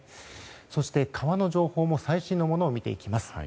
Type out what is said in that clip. そして、川の情報も最新のものを見ていきます。